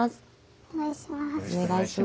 お願いします。